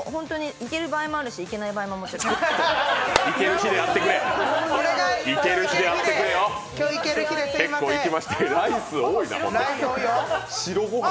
いける場合もあるし、いけない日ももちろん。